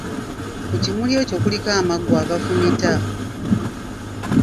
Ku kimuli ekyo kuliko amaggwa agafumita.